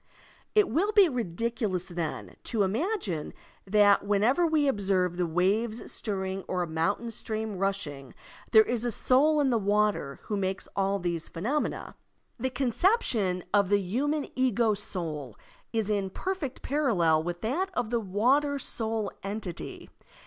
It will be ridiculous, then, to imagine that whenever We observe the waves stirring or a mountain stream rushing there is a soul in the water who makes all these phenomena. The conception of the human ego soul is in perfect parallel with that of the water soul entity.